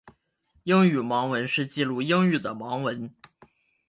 英语盲文是记录英语的盲文。